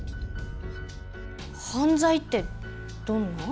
犯罪ってどんな？